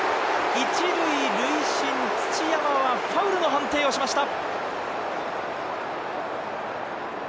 １塁塁審・土山はファウルの判定をしました。